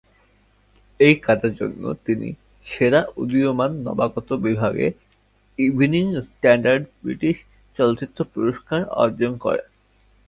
এই কাজের জন্য তিনি সেরা উদীয়মান নবাগত বিভাগে ইভনিং স্ট্যান্ডার্ড ব্রিটিশ চলচ্চিত্র পুরস্কার অর্জন করেন।